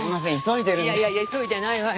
いやいや急いでないわよ。